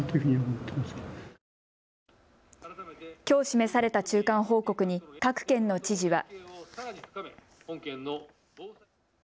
きょう示された中間報告に各県の知事は。